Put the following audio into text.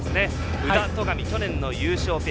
宇田、戸上去年の優勝ペア。